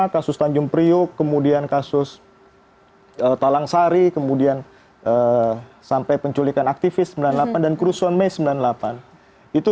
enam puluh lima kasus tanjung priok kemudian kasus talang sari kemudian sampai penculikan aktivis sembilan puluh delapan dan kursuan mei sembilan puluh delapan